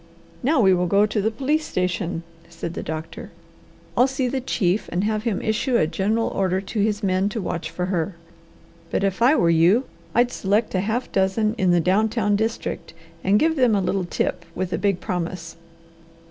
"Now we will go to the police station," said the doctor. "I'll see the chief and have him issue a general order to his men to watch for her, but if I were you I'd select a half dozen in the down town district, and give them a little tip with a big promise!"